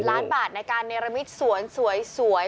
๓๐ล้านบาทในการประกอบสวย